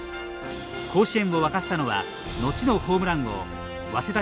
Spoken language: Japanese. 甲子園を沸かせたのは後のホームラン王早稲田